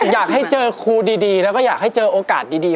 อยากให้เจอครูดีแล้วก็อยากให้เจอโอกาสดี